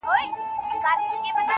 چي دا پاته ولي داسي له اغیار یو؟.!